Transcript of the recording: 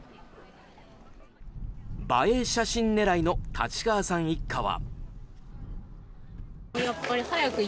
映え写真狙いの立川さん一家は。